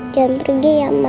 jangan pergi ya mama